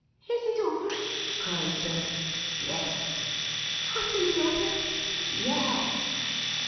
"Is it over?" cried Dot. "Yes!" "Happily over?" "Yes!"